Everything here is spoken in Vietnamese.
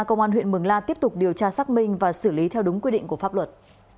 công an huyện mường la tiếp tục điều tra xác minh và xử lý theo đúng quy định của pháp luật